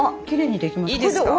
きれいにできました。